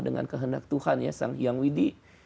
dengan kehendak tuhan ya sang hyang widi